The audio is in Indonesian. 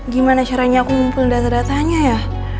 gimana caranya aku ngumpulin data datanya ya